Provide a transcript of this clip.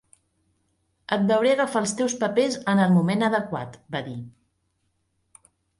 "Et veuré agafar els teus papers en el moment adequat", va dir.